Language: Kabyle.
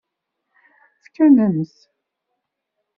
Fkan-am-t?